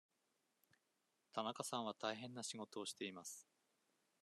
田中さんは大変な仕事をしています。